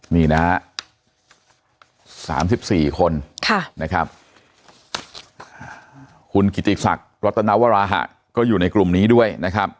นี่นะฮะ๓๔คนนะครับคุณกิจิกษักรัตนวราฮะก็อยู่ในกลุ่มนี้ด้วยนะครับ